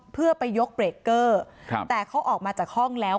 เพื่อไปยกเบรกเกอร์ครับแต่เขาออกมาจากห้องแล้ว